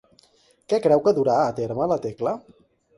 Què creu que durà a terme la Tecla?